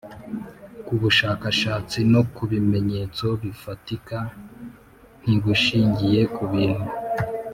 ku bushakashatsi no ku bimenyetso bifatika ntigushingiye ku bintu